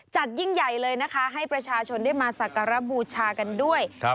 ยิ่งใหญ่เลยนะคะให้ประชาชนได้มาสักการะบูชากันด้วย